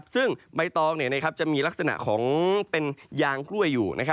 ซึ่งใบตองจะมีลักษณะของเป็นยางกล้วยอยู่